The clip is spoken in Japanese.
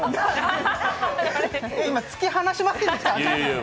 今、突き放しませんでした？